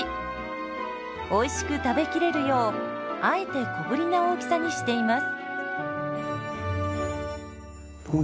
おいしく食べきれるようあえて小ぶりな大きさにしています。